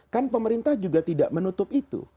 kan pemerintah juga tidak menutup itu